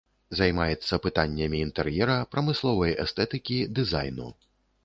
Займаецца пытаннямі інтэр'ера, прамысловай эстэтыкі, дызайну.